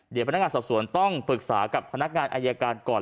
เดี๋ยวพนักงานสอบสวนต้องปรึกษากับพนักงานอายการก่อน